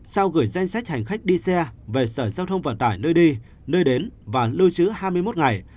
sau gửi danh sách hành khách đi xe về sở giao thông vận tải nơi đi nơi đến và lưu trữ hai mươi một ngày